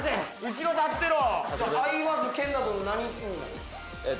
後ろ立ってろ！